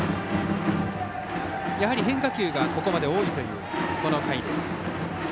変化球がここまで多いというこの回です。